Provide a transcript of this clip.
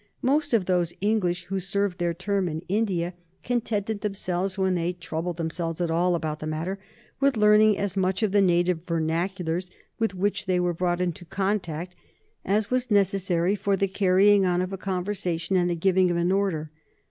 Most of those English who served their term in India contented themselves, when they troubled themselves at all about the matter, with learning as much of the native vernaculars with which they were brought into contact as was necessary for the carrying on of a conversation and the giving of an order.